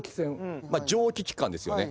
蒸気機関ですよね